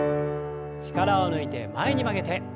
力を抜いて前に曲げて。